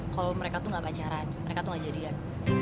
kalo mereka tuh gak pacaran mereka tuh gak jadian